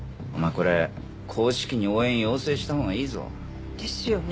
これ公式に応援要請したほうがいいぞ。ですよね？